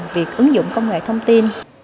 việc ứng dụng công nghệ thông tin